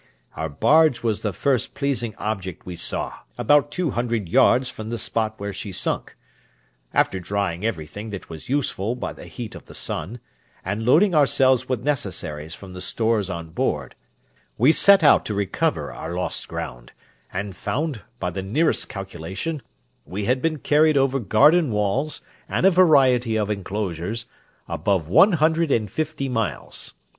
Our barge was the first pleasing object we saw, about two hundred yards from the spot where she sunk. After drying everything that was useful by the heat of the sun, and loading ourselves with necessaries from the stores on board, we set out to recover our lost ground, and found, by the nearest calculation, we had been carried over garden walls, and a variety of enclosures, above one hundred and fifty miles.